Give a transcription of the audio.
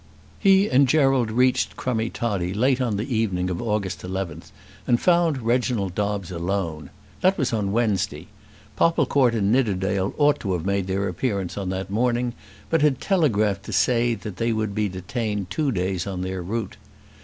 He and Gerald reached Crummie Toddie late on the evening of August 11th, and found Reginald Dobbes alone. That was on Wednesday. Popplecourt and Nidderdale ought to have made their appearance on that morning, but had telegraphed to say that they would be detained two days on their route.